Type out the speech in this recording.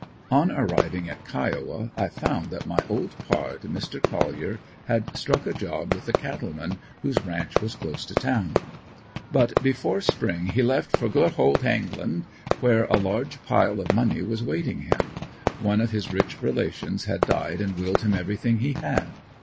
On arriving at Kiowa I found that my old "pard" Mr. Collier had struck a job with a cattleman whose ranch was close to town. But before spring he left for good "Hold Hengland" where a large pile of money was awaiting him; one of his rich relations had died and willed him everything he had.